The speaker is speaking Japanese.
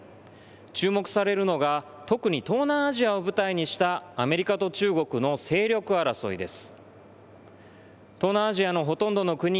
注目されるのが、特に東南アジアを舞台にしたアメリカと中国の勢力争いです。